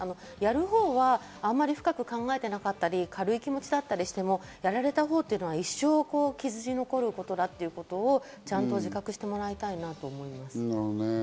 やる方はあまり深く考えてなかったり、軽い気持ちだったりしても、やられた方というのは、一生傷に残ることだっていうことをちゃんと自覚してもらいたいなと思います。